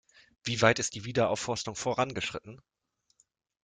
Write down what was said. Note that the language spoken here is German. Wie weit ist die Wiederaufforstung vorangeschritten?